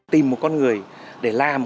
tìm một con người để làm